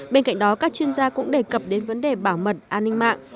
bên cạnh đó các chuyên gia cũng đề cập đến vấn đề bảo mật an ninh mạng